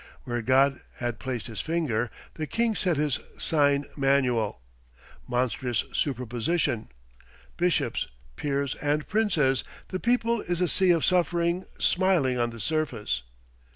Where God had placed his finger, the king set his sign manual. Monstrous superposition! Bishops, peers, and princes, the people is a sea of suffering, smiling on the surface.